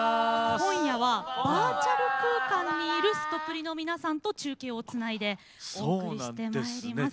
今夜はバーチャル空間にいるすとぷりの皆さんと中継をつないでお送りしてまいります。